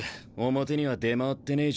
表には出回ってねえ